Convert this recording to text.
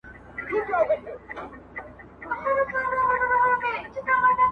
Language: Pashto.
او ظاهرشاهي عالي لېسه کښي